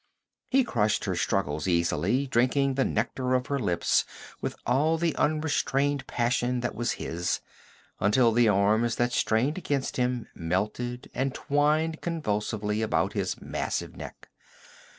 He crushed her struggles easily, drinking the nectar of her lips with all the unrestrained passion that was his, until the arms that strained against him melted and twined convulsively about his massive neck.